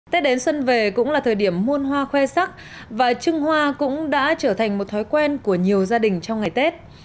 tết đến xuân về cũng là thời điểm muôn hoa khoe sắc và trưng hoa cũng đã trở thành một thói quen của nhiều gia đình trong ngày tết